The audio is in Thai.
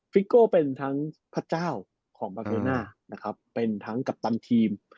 ครับก็เป็นทั้งพระเจ้าของนะครับเป็นทั้งกัปตันทีม